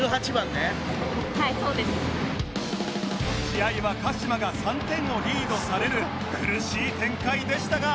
試合は鹿島が３点をリードされる苦しい展開でしたが